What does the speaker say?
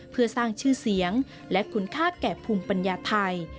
เพื่อสร้างชื่อเสียงและคุณค่าแก่ภูมิปัญญาไทย